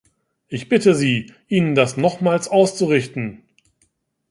Ich bitte Sie, ihnen das nochmals auszurichten.